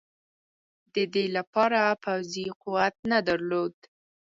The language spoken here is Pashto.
د دې لپاره پوځي قوت نه درلود.